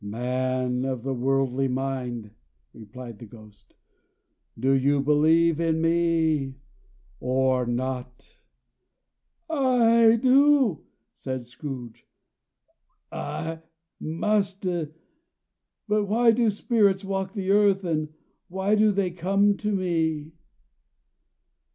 "Man of the worldly mind!" replied the Ghost, "do you believe in me or not?" "I do," said Scrooge. "I must. But why do spirits walk the earth, and why do they come to me?"